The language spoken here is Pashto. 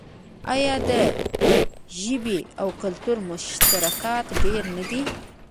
آیا د ژبې او کلتور مشترکات ډیر نه دي؟